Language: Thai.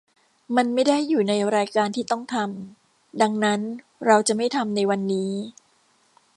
มันไม่ได้อยู่ในรายการที่ต้องทำ ดังนั้นเราจะไม่ทำในวันนี้